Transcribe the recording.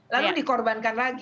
lalu dikorbankan lagi